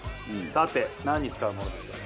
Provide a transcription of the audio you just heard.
さて何に使うものでしょう？